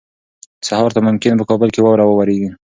سهار ته ممکن په کابل کې واوره ووریږي.